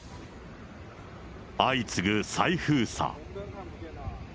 相次ぐ再封鎖。